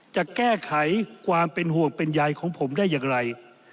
จะแก้ไขความเป็นห่วงเป็นใยของผมได้อย่างไร